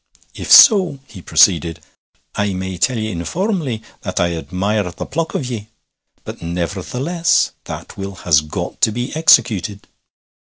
'If so,' he proceeded, 'I may tell ye informally that I admire the pluck of ye. But, nevertheless, that will has got to be executed.'